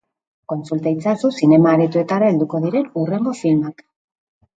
Kontsulta itzazu zinema-aretoetara helduko diren hurrengo filmak.